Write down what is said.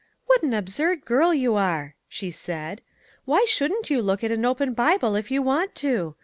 " What an absurd girl you are !" she said. " Why shouldn't you look at an open Bible if you want to?